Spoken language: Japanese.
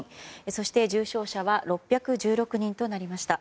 そして、重症者は６１６人となりました。